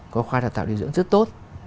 có khoa đào tạo điều dưỡng rất tốt